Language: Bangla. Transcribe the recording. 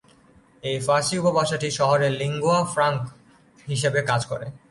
এই ফার্সি উপভাষাটি শহরের লিঙ্গুয়া ফ্র্যাঙ্ক হিসাবে কাজ করে।